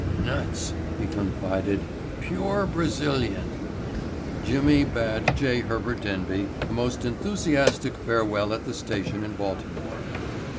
"Nuts," he confided. "Pure Brazilian." Jimmy bade J. Herbert Denby a most enthusiastic farewell at the station in Baltimore.